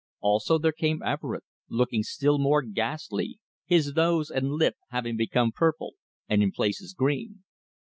Also there came Everett, looking still more ghastly, his nose and lip having become purple, and in places green.